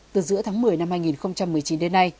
từ giữa tháng một mươi năm hai nghìn một mươi chín đến nay